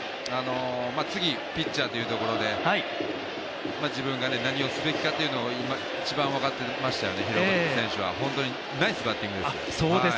次ピッチャーというところで自分が何をすべきかというのを一番分かっていましたよね、廣岡選手は本当にナイスバッティングですね。